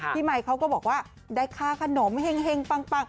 ใหม่เขาก็บอกว่าได้ค่าขนมเห็งปัง